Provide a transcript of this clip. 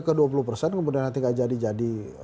kemudian nanti gak jadi jadi